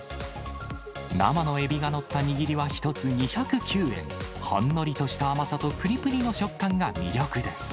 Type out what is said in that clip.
生のエビが載った握りは１つ２０９円、ほんのりとした甘さとぷりぷりの食感が魅力です。